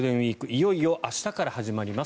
いよいよ明日から始まります。